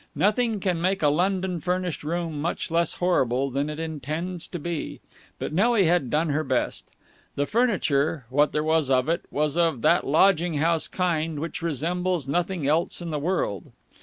Nothing can make a London furnished room much less horrible than it intends to be, but Nelly had done her best. The furniture, what there was of it, was of that lodging house kind which resembles nothing else in the world.